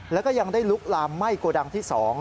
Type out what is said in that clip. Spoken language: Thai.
แล้วก็ยังได้ลุกลามไหม้โกดังที่๒